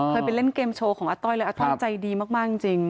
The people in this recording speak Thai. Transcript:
ไปเล่นเกมโชว์ของอาต้อยเลยอาต้อยใจดีมากจริง